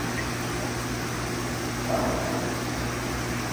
Дауэ фыщыт?